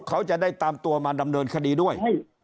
เขาจะได้ตามตัวมาดำเนินคดีด้วย